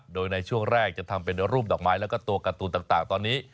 โดยในช่วงแรกจะทำเป็นรูปดอกไม้แล้วก็ตัวการ์ตูนต่างตอนนี้